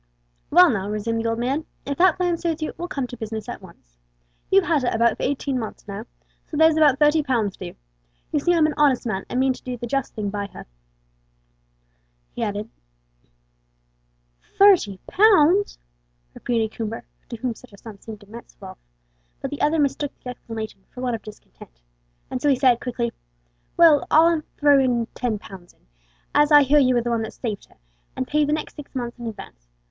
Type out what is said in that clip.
"Well now," resumed the old man, "if that plan suits you, we'll come to business at once. You've had her about eighteen months now, so there's about thirty pounds due. You see I'm an honest man, and mean to do the just thing by her," he added. "Thirty pounds!" repeated Coomber, to whom such a sum seemed immense wealth. But the other mistook the exclamation for one of discontent, and so he said, quickly, "Well now, I'll throw you ten pounds in, as I hear you were the one that saved her, and pay you the next six months in advance.